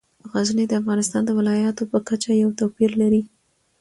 غزني د افغانستان د ولایاتو په کچه یو توپیر لري.